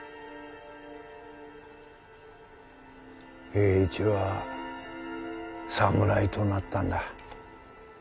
栄一は侍となったんだ。